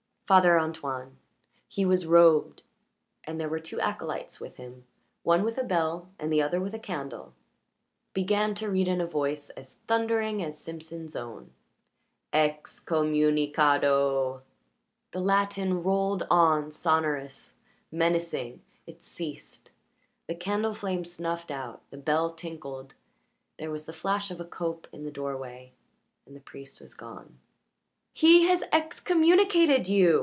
Father Antoine he was robed, and there were two acolytes with him, one with a bell and the other with a candle began to read in a voice as thundering as Simpson's own. "Excommunicado " The Latin rolled on, sonorous, menacing. It ceased; the candle flame snuffed out, the bell tinkled, there was the flash of a cope in the doorway, and the priest was gone. "He has excommunicated you!"